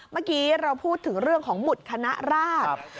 เมื่อกี้เราพูดถึงเรื่องของหมุดคณะราช